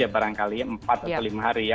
barangkali empat atau lima hari ya